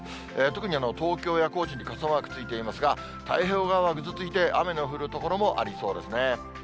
特に東京や高知に傘マークついていますが、太平洋側はぐずついて、雨の降る所もありそうですね。